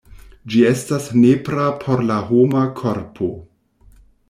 Ĝi estas nepra por la homa korpo.